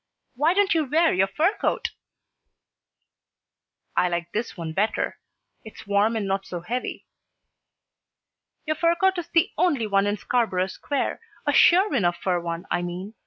"Why don't you wear your fur coat?" "I like this one better. It's warm and not so heavy." "Your fur coat is the only one in Scarborough Square. A sure enough fur one, I mean.